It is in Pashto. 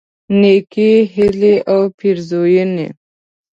نیکی هیلی او پیرزوینی